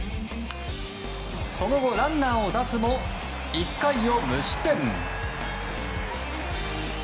その後、ランナーを出すも１回を無失点。